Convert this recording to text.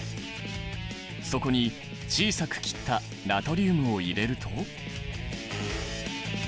そこに小さく切ったナトリウムを入れると。